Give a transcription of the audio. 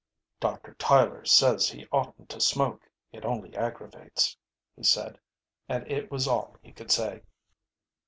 "Doctor Tyler says he oughtn't to smoke it only aggravates," he said; and it was all he could say.